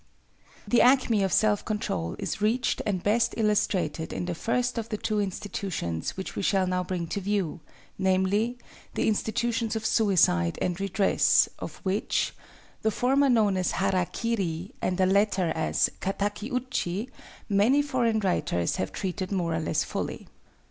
The acme of self control is reached and best illustrated in the first of the two institutions which we shall now bring to view; namely, THE INSTITUTIONS OF SUICIDE AND REDRESS, of which (the former known as hara kiri and the latter as kataki uchi) many foreign writers have treated more or less fully.